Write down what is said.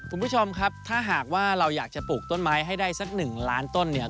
คุณผู้ชมครับถ้าหากว่าเราอยากจะปลูกต้นไม้ให้ได้สักหนึ่งล้านต้นเนี่ย